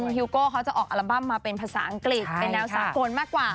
ฮิวโก้เขาจะออกอัลบั้มมาเป็นภาษาอังกฤษเป็นแนวสากลมากกว่า